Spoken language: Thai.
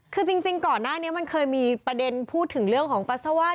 คือจริงก่อนหน้านี้มันเคยมีประเด็นพูดถึงเรื่องของปัสสาวะ